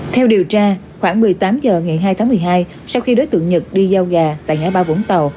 theo điều tra khoảng một mươi tám h ngày hai tháng một mươi hai sau khi đối tượng nhật đi giao gà tại ngã ba vũng tàu